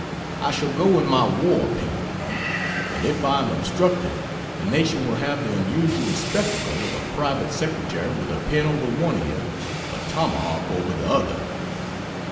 I shall go in my war paint; and if I am obstructed the nation will have the unusual spectacle of a private secretary with a pen over one ear a tomahawk over the other.